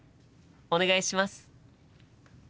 お願いします。